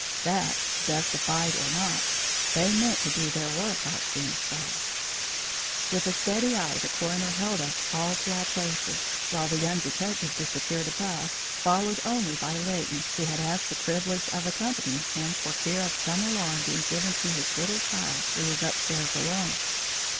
That, justified or not, they meant to do their work, I soon saw. With a steady eye the coroner held us all to our places, while the young detective disappeared above, followed only by Leighton, who had asked the privilege of accompanying him for fear of some alarm being given to his little child who was upstairs alone.